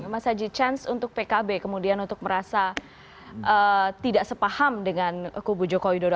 mas haji chance untuk pkb kemudian untuk merasa tidak sepaham dengan kubu jokowi dodo